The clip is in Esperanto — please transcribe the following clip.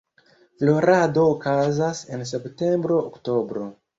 Florado okazas en septembro–oktobro.